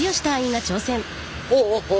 おお！